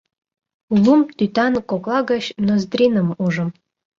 Лум тӱтан кокла гыч Ноздриным ужым.